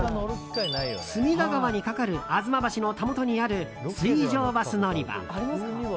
隅田川に架かる吾妻橋のたもとにある水上バス乗り場。